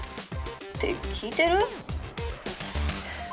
「って聞いてる？」。